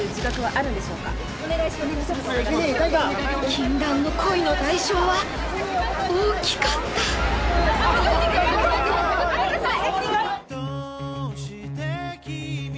禁断の恋の代償は大きかった答えてください！